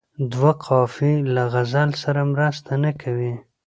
دوه قافیې له غزل سره مرسته نه کوي.